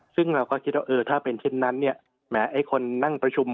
ซึ่งเราก็คิดว่าเออถ้าเป็นเช่นนั้นเนี่ยแหมไอ้คนนั่งประชุม